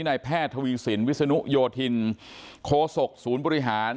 นายแพทย์ทวีสินวิศนุโยธินโคศกศูนย์บริหาร